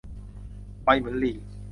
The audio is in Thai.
ไวเหมือนลิง